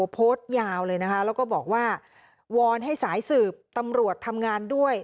โพสต์ยาวเลยนะคะแล้วก็บอกว่าวอนให้สายสืบตำรวจทำงานด้วย